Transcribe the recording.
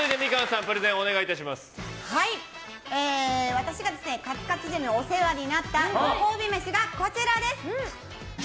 私がカツカツ時代にお世話になったご褒美飯がこちらです。